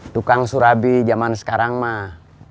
tukang surabi zaman sekarang mah